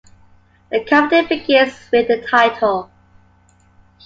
The comedy begins with the title.